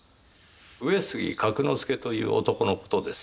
上杉角之助という男の事です。